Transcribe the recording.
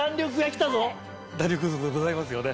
弾力ございますよね。